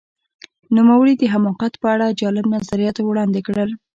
نوموړي د حماقت په اړه جالب نظریات وړاندې کړل.